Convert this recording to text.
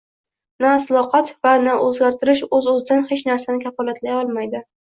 na “islohot” va na “o‘zgartirish” o‘z-o‘zidan hech narsani kafolatlay olmaydi